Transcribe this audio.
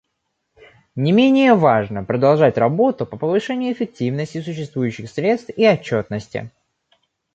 Не менее важно продолжать работу по повышению эффективности существующих средств и отчетности.